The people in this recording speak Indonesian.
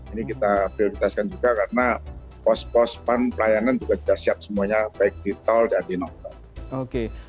ini kita prioritaskan juga karena pos pos pan pelayanan juga sudah siap semuanya baik di tol dan di non tol